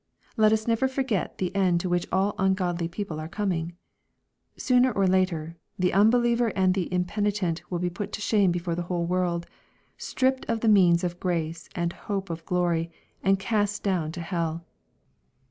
Let us never forget the end to which all ungodly peo ple are coming. Sooner or later, the unbeliever and the impenitent will be put to shame before the whole world, stripped of the means of grace and hope of glory, and cast down to hell.